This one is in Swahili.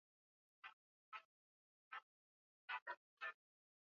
Dalili nyingine ya ugonjwa wa pumu kwa mbuzi ni kikohozi kinachoambatana na ulimi kuvimba